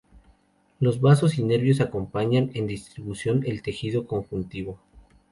Los vasos y nervios acompañan en su distribución al tejido conjuntivo.